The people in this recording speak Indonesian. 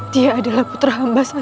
dia adalah putra mbak satu satu mbak mohon